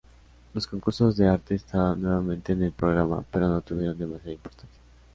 Los concursos de arte estaban nuevamente en el programa, pero no tuvieron demasiada importancia.